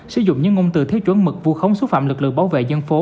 sử dụng những ngôn từ thiếu chuẩn mực vu khống xúc phạm lực lượng bảo vệ dân phố